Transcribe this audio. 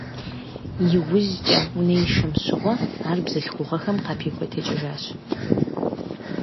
ИужькӀэ, унэишэм щыгъуэ ар бзылъхугъэхэм къапехуэтэкӀыжащ.